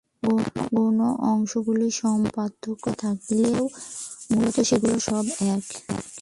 গৌণ অংশগুলি সম্বন্ধে পার্থক্য থাকিলেও মূলত সেগুলি সব এক।